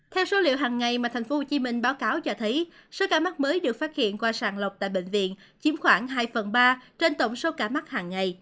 theo số liệu hàng ngày mà tp hcm báo cáo cho thấy số ca mắc mới được phát hiện qua sàng lọc tại bệnh viện chiếm khoảng hai phần ba trên tổng số ca mắc hàng ngày